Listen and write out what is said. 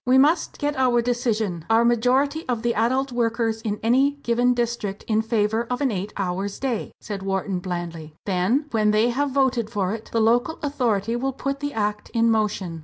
"We must get our decision, our majority of the adult workers in any given district in favour of an eight hours day," said Wharton, blandly; "then when they have voted for it, the local authority will put the Act in motion."